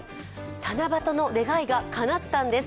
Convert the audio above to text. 七夕の願いがかなったんです。